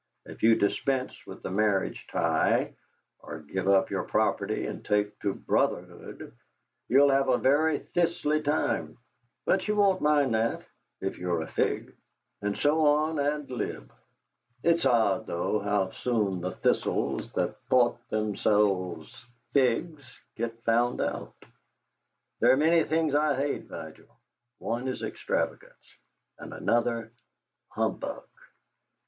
If you dispense with the marriage tie, or give up your property and take to Brotherhood, you'll have a very thistley time, but you won't mind that if you're a fig. And so on ad lib. It's odd, though, how soon the thistles that thought themselves figs get found out. There are many things I hate, Vigil. One is extravagance, and another humbug!"